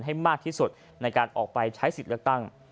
ให้มากที่สุดในการออกไปใช้สิทธิ์เลือกตั้ง